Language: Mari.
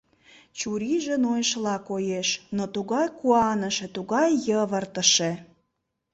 Чурийже нойышыла коеш, но тугай куаныше, тугай йывыртыше...